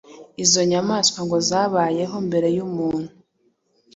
izo nyamaswa ngo zabayeho mbere y’umuntu